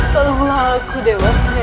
tolonglah aku dewa tayang aku